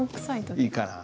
いいかな？